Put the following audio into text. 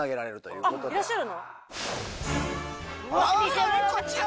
いらっしゃるの？